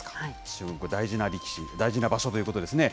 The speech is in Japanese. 注目、大事な力士、大事な場所ということですね。